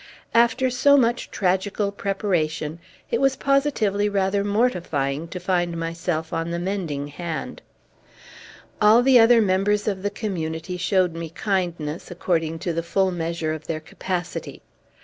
After so much tragical preparation, it was positively rather mortifying to find myself on the mending hand. All the other members of the Community showed me kindness, according to the full measure of their capacity.